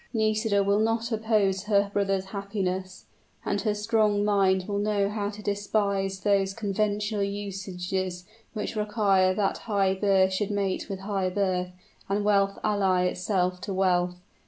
"Nisida will not oppose her brother's happiness; and her strong mind will know how to despise those conventional usages which require that high birth should mate with high birth, and wealth ally itself to wealth.